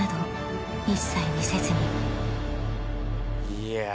いや。